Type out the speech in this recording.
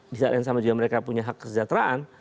di saat yang sama juga mereka punya hak kesejahteraan